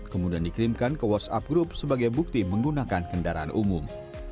kemudian dikirimkan ke whatsapp group sebagai bukti menggunakan kendaraan umum